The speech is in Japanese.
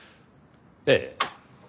ええ。